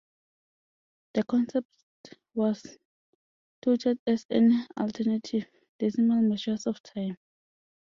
The concept was touted as an alternative, decimal measure of time.